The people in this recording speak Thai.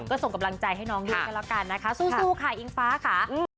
ก็ส่งกำลังใจให้น้องด้วยกันแล้วกันนะคะสู้ค่ะอิงฟ้าค่ะ